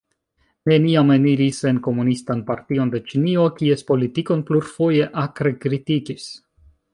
Neniam eniris en Komunistan Partion de Ĉinio, kies politikon plurfoje akre kritikis.